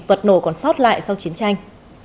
vật nổ còn sót lại sau chiến tranh